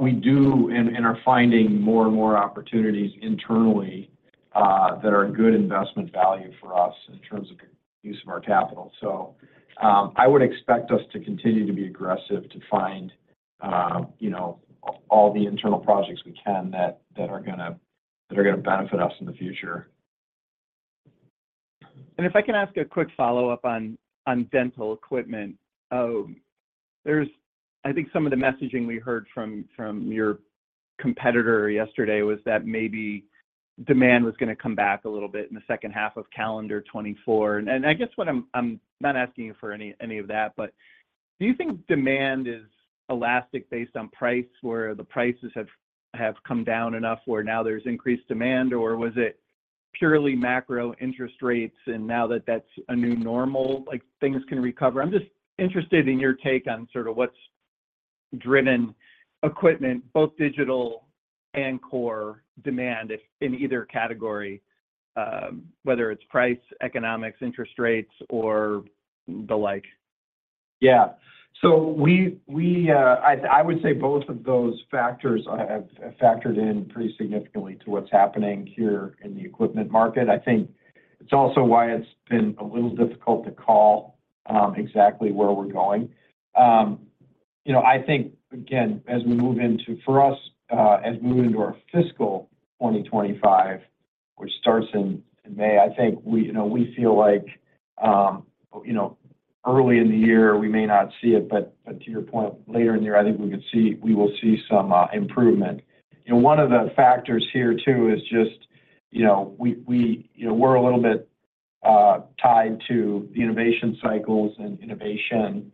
we do and are finding more and more opportunities internally that are good investment value for us in terms of the use of our capital. So I would expect us to continue to be aggressive to find all the internal projects we can that are going to benefit us in the future. If I can ask a quick follow-up on Dental equipment, I think some of the messaging we heard from your competitor yesterday was that maybe demand was going to come back a little bit in the second half of calendar 2024. I guess what I'm not asking you for any of that, but do you think demand is elastic based on price where the prices have come down enough where now there's increased demand, or was it purely macro interest rates, and now that that's a new normal, things can recover? I'm just interested in your take on sort of what's driven equipment, both digital and core demand in either category, whether it's price, economics, interest rates, or the like. Yeah. So I would say both of those factors have factored in pretty significantly to what's happening here in the equipment market. I think it's also why it's been a little difficult to call exactly where we're going. I think, again, as we move into our fiscal 2025, which starts in May, I think we feel like early in the year, we may not see it. But to your point, later in the year, I think we will see some improvement. One of the factors here too is just we're a little bit tied to the innovation cycles and innovation,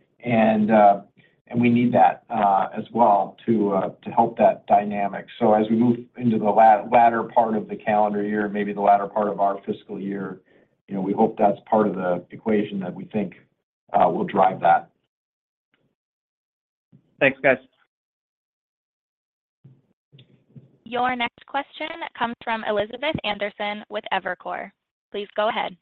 and we need that as well to help that dynamic. So as we move into the latter part of the calendar year, maybe the latter part of our fiscal year, we hope that's part of the equation that we think will drive that. Thanks, guys. Your next question comes from Elizabeth Anderson with Evercore. Please go ahead.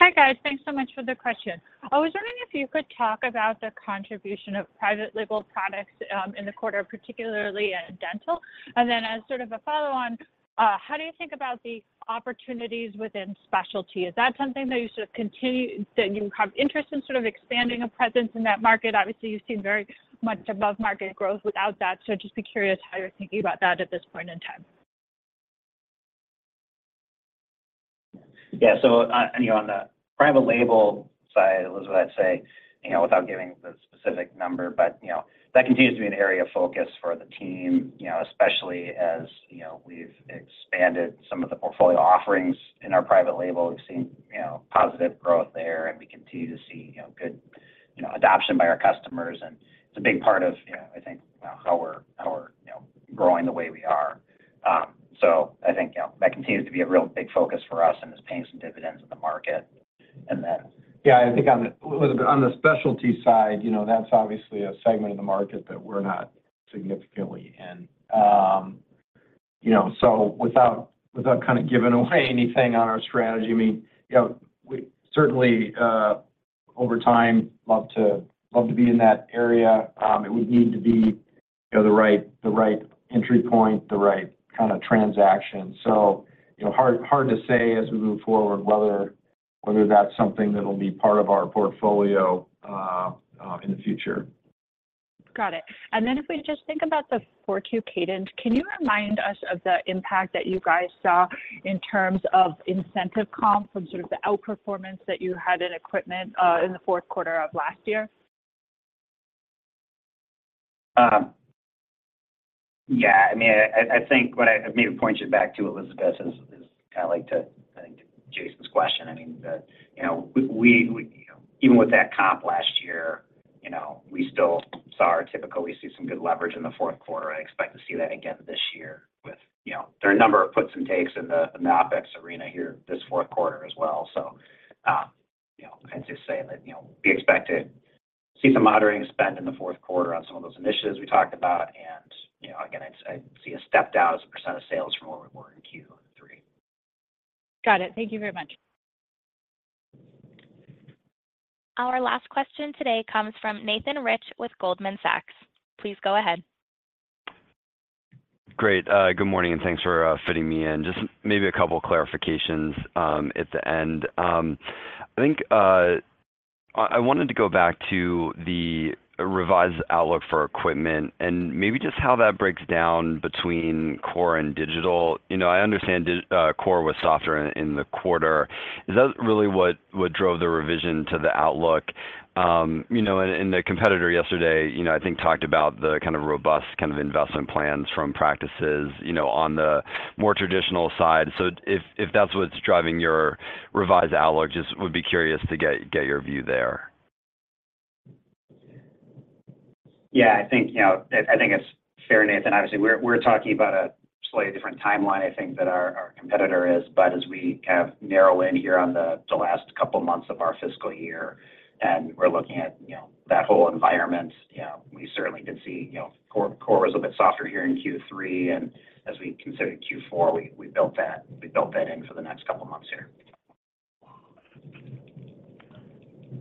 Hi, guys. Thanks so much for the question. I was wondering if you could talk about the contribution of private label products in the quarter, particularly in Dental. And then as sort of a follow-on, how do you think about the opportunities within specialty? Is that something that you sort of continue that you have interest in sort of expanding a presence in that market? Obviously, you've seen very much above-market growth without that. So just be curious how you're thinking about that at this point in time. Yeah. So on the private label side, Elizabeth, I'd say without giving the specific number, but that continues to be an area of focus for the team, especially as we've expanded some of the portfolio offerings in our private label. We've seen positive growth there, and we continue to see good adoption by our customers. And it's a big part of, I think, how we're growing the way we are. So I think that continues to be a real big focus for us and is paying some dividends in the market. And then. Yeah. I think on the specialty side, that's obviously a segment of the market that we're not significantly in. So without kind of giving away anything on our strategy, I mean, we certainly over time love to be in that area. It would need to be the right entry point, the right kind of transaction. So hard to say as we move forward whether that's something that'll be part of our portfolio in the future. Got it. And then if we just think about the 4Q cadence, can you remind us of the impact that you guys saw in terms of incentive comp from sort of the outperformance that you had in equipment in the fourth quarter of last year? Yeah. I mean, I think what I maybe point you back to, Elizabeth, is kind of like to, I think, to Jason's question. I mean, even with that comp last year, we still saw our typical we see some good leverage in the fourth quarter. I expect to see that again this year with there are a number of puts and takes in the OpEx arena here this fourth quarter as well. So I'd just say that we expect to see some moderating spend in the fourth quarter on some of those initiatives we talked about. And again, I'd see a step down as a percent of sales from where we were in Q3. Got it. Thank you very much. Our last question today comes from Nathan Rich with Goldman Sachs. Please go ahead. Great. Good morning, and thanks for fitting me in. Just maybe a couple of clarifications at the end. I think I wanted to go back to the revised outlook for equipment and maybe just how that breaks down between core and digital. I understand core was softer in the quarter. Is that really what drove the revision to the outlook? And the competitor yesterday, I think, talked about the kind of robust kind of investment plans from practices on the more traditional side. So if that's what's driving your revised outlook, just would be curious to get your view there. Yeah. I think it's fair, Nathan. Obviously, we're talking about a slightly different timeline, I think, than our competitor is. But as we kind of narrow in here on the last couple of months of our fiscal year and we're looking at that whole environment, we certainly can see core was a bit softer here in Q3. And as we considered Q4, we built that in for the next couple of months here.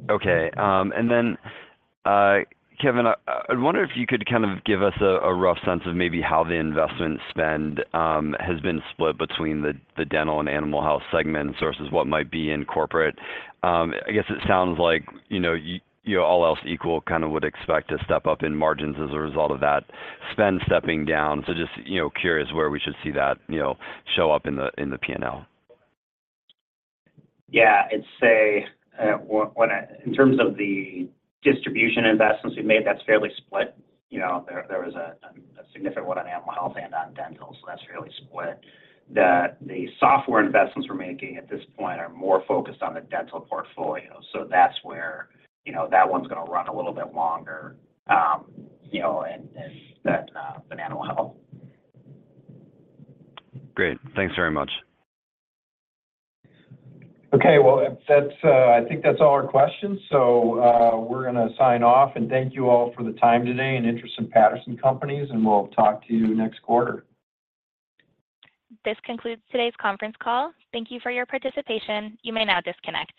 Okay. And then, Kevin, I wonder if you could kind of give us a rough sense of maybe how the investment spend has been split between the Dental and Animal Health segments versus what might be in corporate. I guess it sounds like all else equal kind of would expect to step up in margins as a result of that spend stepping down. So just curious where we should see that show up in the P&L. Yeah. I'd say in terms of the distribution investments we've made, that's fairly split. There was a significant one on Animal Health and on Dental, so that's fairly split. The software investments we're making at this point are more focused on the Dental portfolio. So that's where that one's going to run a little bit longer than Animal Health. Great. Thanks very much. Okay. Well, I think that's all our questions. So we're going to sign off. And thank you all for the time today and interest in Patterson Companies, and we'll talk to you next quarter. This concludes today's conference call. Thank you for your participation. You may now disconnect.